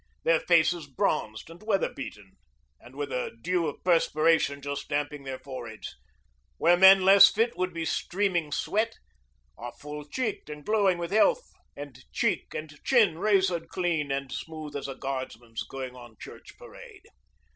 Their faces bronzed and weather beaten, and with a dew of perspiration just damping their foreheads where men less fit would be streaming sweat are full cheeked and glowing with health, and cheek and chin razored clean and smooth as a guardsman's going on church parade.